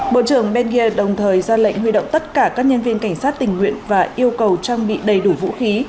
bộ trưởng ben gier đồng thời ra lệnh huy động tất cả các nhân viên cảnh sát tình nguyện và yêu cầu trang bị đầy đủ vũ khí